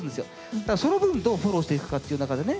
ただその分どうフォローしていくかっていう中でね